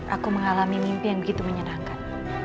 aku mengalami mimpi yang begitu menyenangkan